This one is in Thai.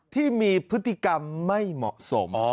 ที่มีพฤติกรรมไม่เหมาะสม